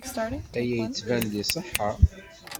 Aya yettban-d iṣeḥḥa.